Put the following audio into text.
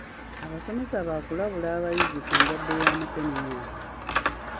Abasomesa baakulabula abayizi ku ndwadde ya mukeenenya .